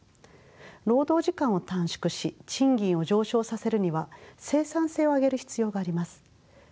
労働時間を短縮し賃金を上昇させるには生産性を上げる必要があります。